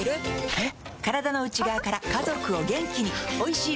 えっ？